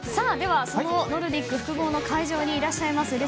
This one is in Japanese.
そのノルディック複合の会場にいらっしゃいます